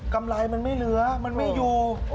ำไรมันไม่เหลือมันไม่อยู่